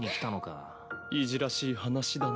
いじらしい話だな。